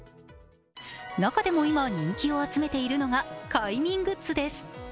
中でも今、人気を集めているのが快眠グッズです。